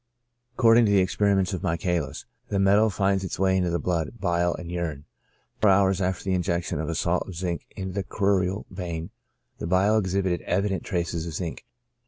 According to the experiments of Michaelis, the metal finds its way into the blood, bile, and urine ; twenty four hours after the injection of a salt of zinc into the crural vein, the bile exhibited evident traces of zinc.